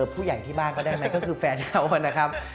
ผู้ใหญ่ที่บ้านก็คือแฟนเขามัดนะครับ